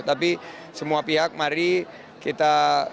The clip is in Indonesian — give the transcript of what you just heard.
tapi semua pihak mari kita